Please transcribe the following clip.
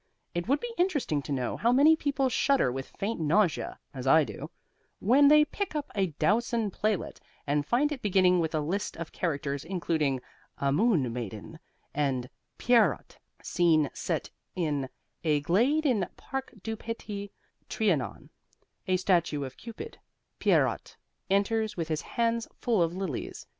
It would be interesting to know how many people shudder with faint nausea (as I do) when they pick up a Dowson playlet and find it beginning with a list of characters including "A Moon Maiden" and "Pierrot," scene set in "a glade in the Parc du Petit Trianon a statue of Cupid Pierrot enters with his hands full of lilies."